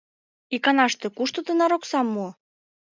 Иканаште кушто тынар оксам муо?